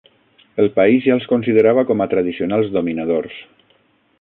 El país ja els considerava com a tradicionals dominadors.